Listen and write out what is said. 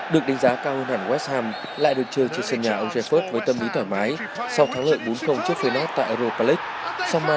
được đánh giá cao hơn hẳn west ham lại được chơi trên sân nhà ông sheffield với tâm ý thoải mái sau thắng lợi bốn trước phoenix tại europa league